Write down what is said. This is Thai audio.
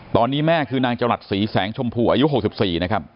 ตอนนี้แม่คือนางจรัสศรีแสงชมพูอายุ๖๔นะครับ